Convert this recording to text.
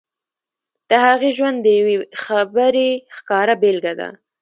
د هغې ژوند د يوې خبرې ښکاره بېلګه ده.